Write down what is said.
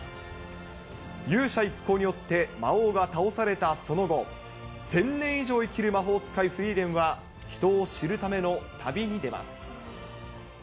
勇者一行によって魔王が倒されたその後、１０００年以上生きる魔法使い、フリーレンは、人を知るための旅に出ます。